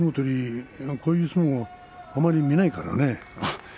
こういう相撲あまり見ないからね。